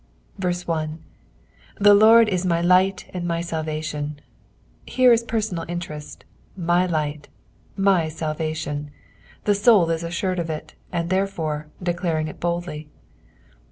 1, " The Lord it my light and ray salvation." — Here is personal interest, "my light," " my taZvation, ;" the Boul is aseured of it, and therefore, declariDg it boldly.